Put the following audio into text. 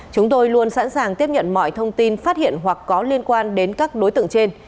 chúng tôi luôn sẵn sàng tiếp nhận mọi thông tin phát hiện hoặc có liên quan đến các đối tượng trên